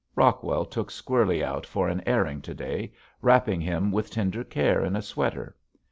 Rockwell took Squirlie out for an airing to day, wrapping him with tender care in a sweater.